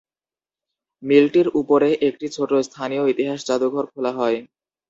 মিলটির উপরে একটি ছোট স্থানীয় ইতিহাস জাদুঘর খোলা হয়।